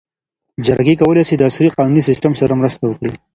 جرګې کولی سي د عصري قانوني سیسټم سره مرسته وکړي.